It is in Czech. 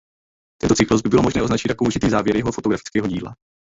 Tento cyklus by bylo možné označit jako určitý závěr jeho fotografického díla.